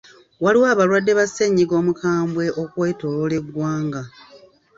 Waliwo abalwadde ba ssennyiga omukambwe okwetooloola eggwanga.